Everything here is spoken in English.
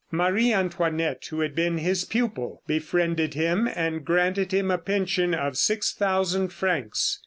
Marie Antoinette, who had been his pupil, befriended him and granted him a pension of 6,000 francs.